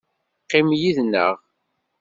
Qqim yid-neɣ.